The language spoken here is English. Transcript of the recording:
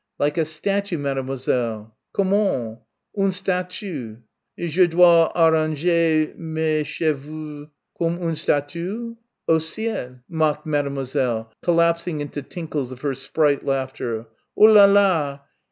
"Like a statue, Mademoiselle." "Comment! Une statue! Je dois arranger mes cheveux comme une statue? Oh, ciel!" mocked Mademoiselle, collapsing into tinkles of her sprite laughter.... "Oh là là!